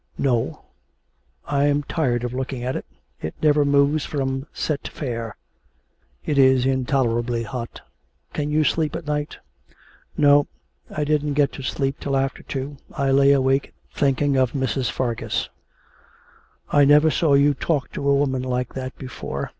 'No; I am tired of looking at it. It never moves from "set fair."' 'It is intolerably hot can you sleep at night?' 'No; I didn't get to sleep till after two. I lay awake thinking of Mrs. Fargus.' 'I never saw you talk to a woman like that before.